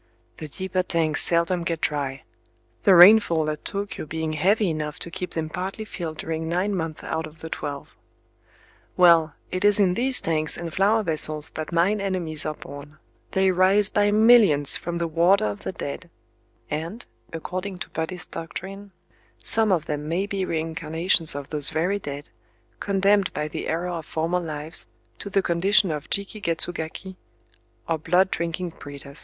The deeper tanks seldom get dry;—the rainfall at Tōkyō being heavy enough to keep them partly filled during nine months out of the twelve. Well, it is in these tanks and flower vessels that mine enemies are born: they rise by millions from the water of the dead;—and, according to Buddhist doctrine, some of them may be reincarnations of those very dead, condemned by the error of former lives to the condition of Jiki ketsu gaki, or blood drinking pretas....